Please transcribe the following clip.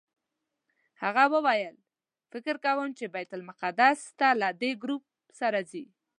هغه وویل فکر کوم چې بیت المقدس ته له دې ګروپ سره ځئ.